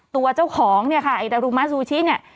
ตัวเจ้าของเนี่ยค่ะไอดารุมะซูชิเนี่ย